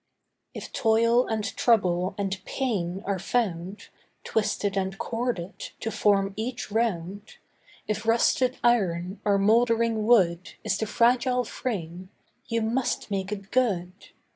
If toil and trouble and pain are found, Twisted and corded, to form each round, If rusted iron or mouldering wood Is the fragile frame, you must make it good.